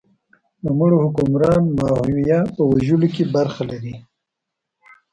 د مرو حکمران ماهویه په وژلو کې برخه لري.